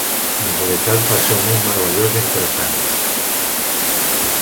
En realitat, va ser un món meravellós i interessant.